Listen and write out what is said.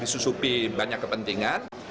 susupi banyak kepentingan